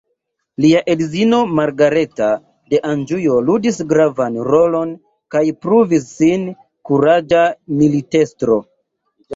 Lia edzino Margareta de Anĵuo ludis gravan rolon kaj pruvis sin kuraĝa militestro.